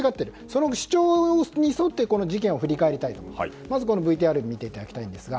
その主張に沿って事件を振り返りたいと思います。